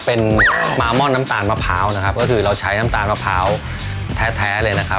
เป็นมาม่อนน้ำตาลมะพร้าวนะครับก็คือเราใช้น้ำตาลมะพร้าวแท้เลยนะครับ